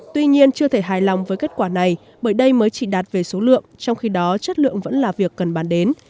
tuy nhiên chưa thể hài lòng với kết quả này bởi đây mới chỉ đạt về số lượng trong khi đó chất lượng vẫn là việc cần bàn đến